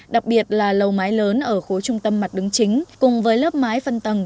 đặc biệt là lầu mái lớn ở khối trung tâm mặt đứng chính cùng với lớp mái phân tầng